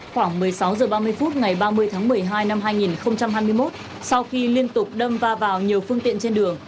khoảng một mươi sáu h ba mươi phút ngày ba mươi tháng một mươi hai năm hai nghìn hai mươi một sau khi liên tục đâm va vào nhiều phương tiện trên đường